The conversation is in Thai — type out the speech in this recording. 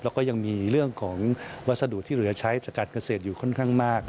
แล้วก็ยังมีเรื่องของวัสดุที่เหลือใช้จากการเกษตรอยู่ค่อนข้างมาก